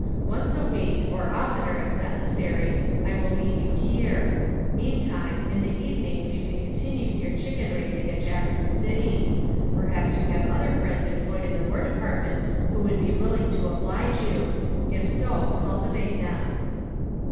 Once a week, or oftener if necessary, I will meet you here. Meantime, in the evenings you can continue your chicken raising at Jackson City ; perhaps you have other friends employed in the War Department who would be willing to oblige you. If so, cultivate them."